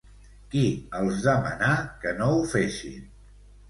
Qui els demanà que no ho fessin?